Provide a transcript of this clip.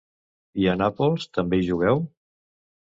I a Nàpols, també hi jugueu?